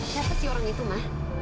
siapa si orang itu ma